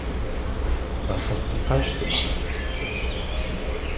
Was hat sie falsch gemacht?